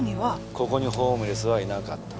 ここにホームレスはいなかった。